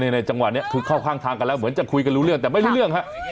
ในจังหวะนี้คือเข้าข้างทางกันแล้วเหมือนจะคุยกันรู้เรื่องแต่ไม่รู้เรื่องฮะ